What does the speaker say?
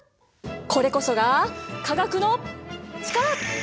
これこそが化学の力！